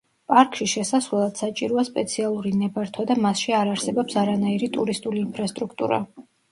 პარკში შესასვლელად საჭიროა სპეციალური ნებართვა და მასში არ არსებობს არანაირი ტურისტული ინფრასტრუქტურა.